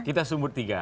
kita sumur tiga